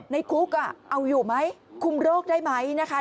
ในคุกเอาอยู่ไหมคุมโรคได้ไหมนะคะ